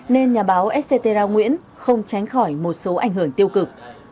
nên nhà báo etc nguyễn không tránh khỏi một số ảnh hưởng tiêu cực